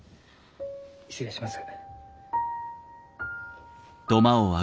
失礼します。